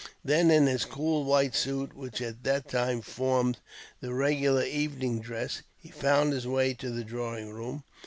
Then in his cool white suit, which at that time formed the regular evening dress, he found his way to the drawing room.